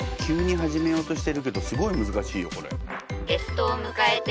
急に始めようとしてるけどすごい難しいよこれ。